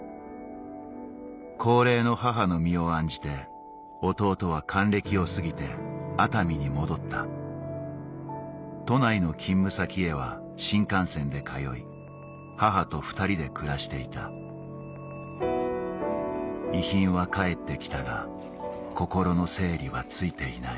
高齢の母の身を案じて弟は還暦を過ぎて熱海に戻った都内の勤務先へは新幹線で通い母と２人で暮らしていた遺品は返ってきたが心の整理はついていない